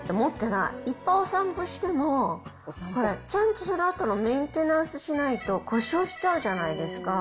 いっぱいお散歩しても、ほら、ちゃんとそのあとのメンテナンスしないと、故障しちゃうじゃないですか。